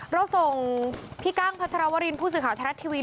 เราส่งพี่กั้งพัชรวรินผู้สื่อข่าวไทยรัฐทีวี